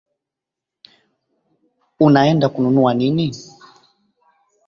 Unaenda kununua nini?